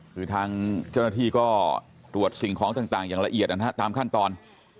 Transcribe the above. คือทางเจ้าหน้าที่ก็ตรวจสิ่งของต่างอย่างละเอียดนะฮะตามขั้นตอน